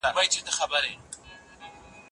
ايا ته ونې ته اوبه ورکوې،